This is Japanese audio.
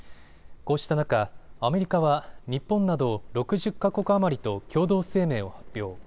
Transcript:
こうした中、アメリカは日本など６０か国余りと共同声明を発表。